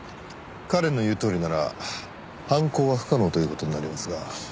彼の言うとおりなら犯行は不可能という事になりますが。